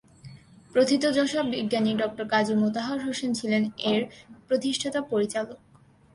প্রথিতযশা বিজ্ঞানী ডক্টর কাজী মোতাহার হোসেন ছিলেন এর প্রতিষ্ঠাতা পরিচালক।